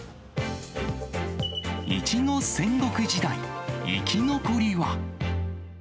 イチゴ戦国時代、生き残りは。